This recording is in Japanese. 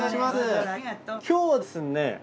今日はですね